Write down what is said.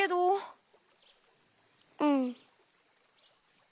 うん。